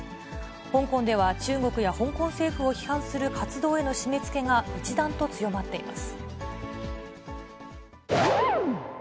香港では、中国や香港政府を批判する活動への締めつけが一段と強まっています。